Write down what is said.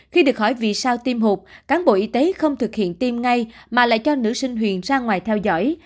khi được hỏi vì sao tiêm hộp cán bộ y tế không thực hiện tiêm ngay mà lại cho nữ sinh huyền ra ngoài theo dõi